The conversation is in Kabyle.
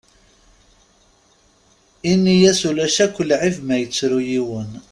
Ini-as Ulac akk lɛib ma yettru yiwen.